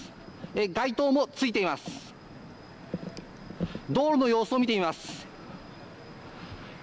街灯もついています。